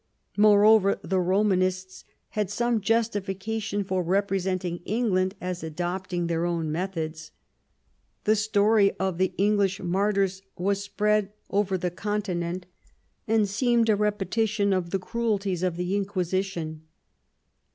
Moreover, the Romanists had some justification for representing England as adopting their own methods. The story of the English martyrs was spread over the Continent and seemed a repetition of the cruelties of the Inquisition.